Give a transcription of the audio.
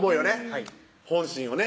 はい本心をね